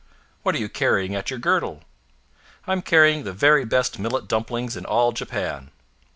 "What are you carrying at your girdle?" "I'm carrying the very best millet dumplings in all Japan.